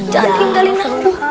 jangan tinggalin aku